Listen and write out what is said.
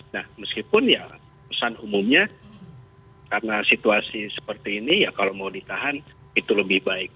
nah meskipun ya pesan umumnya karena situasi seperti ini ya kalau mau ditahan itu lebih baik